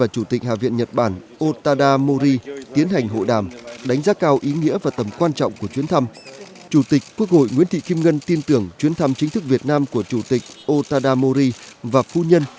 chủ tịch quốc hội nguyễn thị kim ngân tin tưởng chuyến thăm chính thức việt nam của chủ tịch otada mori và phu nhân